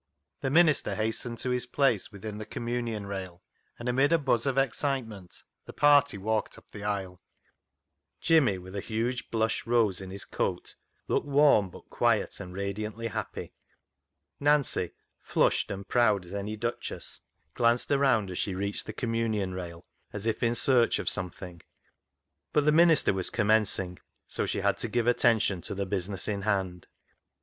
The minister hastened to his place within the communion rail, and amid a buzz of excitement the party walked up the aisle. Jimmy, with a huge blush rose in his coat, looked warm, but quiet and radiantly happy. Nancy, flushed and proud as any duchess, glanced around as she reached the communion rail as if in search of something, but the minister was commencing, so she had to give attention to the business in hand.